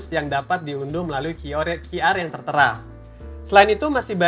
yang dapat diunduh melalui bicara com